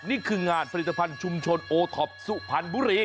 นี่คืองานผลิตภัณฑ์ชุมชนโอท็อปสุพรรณบุรี